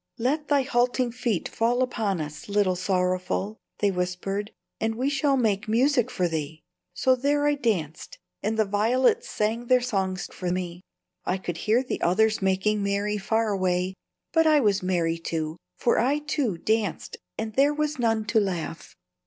'Let thy halting feet fall upon us, Little Sorrowful,' they whispered, 'and we shall make music for thee.' So there I danced, and the violets sang their songs for me. I could hear the others making merry far away, but I was merry, too; for I, too, danced, and there was none to laugh."